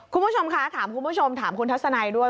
คุณผู้ชมคะถามคุณผู้ชมถามคุณทัศนัยด้วย